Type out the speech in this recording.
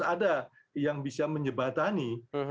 terus ada yang bisa menyebatani